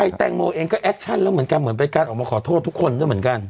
แตงโมเองก็แอคชั่นแล้วเหมือนกันเหมือนเป็นการออกมาขอโทษทุกคนด้วยเหมือนกัน